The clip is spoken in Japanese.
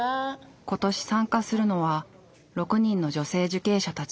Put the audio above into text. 今年参加するのは６人の女性受刑者たち。